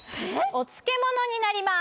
お漬物になります。